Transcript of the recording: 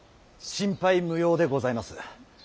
心配無用でございます。